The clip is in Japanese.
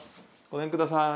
ごめんください。